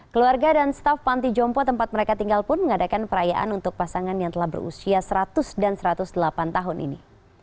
keluarga dan staf panti jompo tempat mereka tinggal pun mengadakan perayaan untuk pasangan yang telah berusia seratus dan satu ratus delapan tahun ini